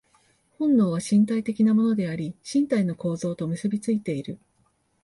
本能は身体的なものであり、身体の構造と結び付いている。